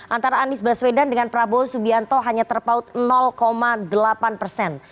antara anies baswedan dengan prabowo subianto hanya terpaut delapan persen